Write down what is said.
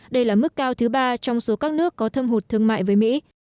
đây là mức cao thứ ba trong số các nước có thâm hụt thương mại với mỹ